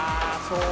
そう。